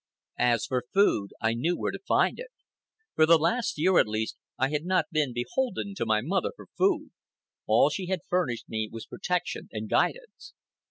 As for food, I knew where to find it. For the last year at least I had not been beholden to my mother for food. All she had furnished me was protection and guidance.